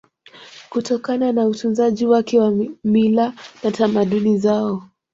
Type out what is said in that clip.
kutokana na utunzaji wake wa mila na tamaduni zao